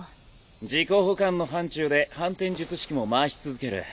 自己補完の範ちゅうで反転術式も回し続ける。